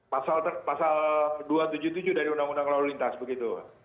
pasal dua ratus tujuh puluh tujuh dari undang undang lalu lintas begitu